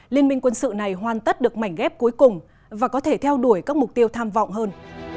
liên minh quân sự này hoàn tất được mảnh ghép cuối cùng và có thể theo đuổi các mục tiêu tham vọng hơn